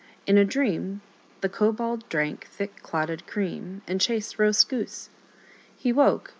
In adream The Kobold drank thickclotted Creani, And chased Roast Goose. He woke, and*.